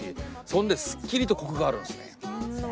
そんでスッキリとコクがあるんすね。